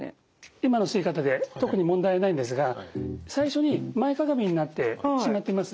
今の吸い方で特に問題はないんですが最初に前かがみになってしまっています。